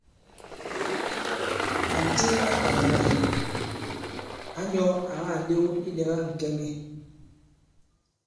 Ànti a kàa lā ǎ nyɔ̄ àma màlew ilɛ̀ga ŋ̀kɛŋɛ.